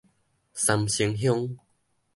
三星鄉